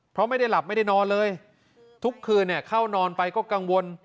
เพราะไม่ได้หลับไม่ได้นอนเลยทุกคืนเข้านอนไปก็กังวล